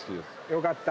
よかった。